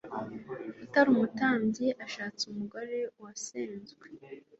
utari umutambyi ashatse umugore wasenzwe